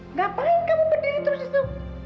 ngapain kamu berdiri terus itu